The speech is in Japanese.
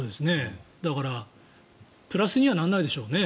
だからプラスにはならないでしょうね